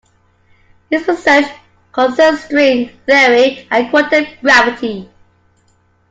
His research concerns string theory and quantum gravity.